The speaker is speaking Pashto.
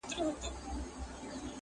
دا له زمان سره جنګیږي ونه،